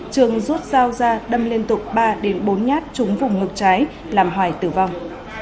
trường rút dao ra đâm liên tục ba bốn nhát trúng vùng ngực trái làm hoài tử vong